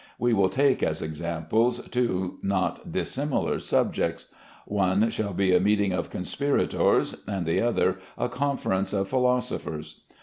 We will take as examples two not dissimilar subjects. One shall be a meeting of conspirators, and the other a conference of philosophers.